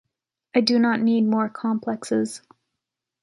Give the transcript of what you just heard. I do not need more complexes.